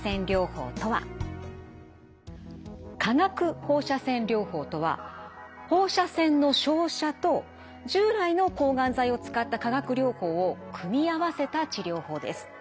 化学放射線療法とは放射線の照射と従来の抗がん剤を使った化学療法を組み合わせた治療法です。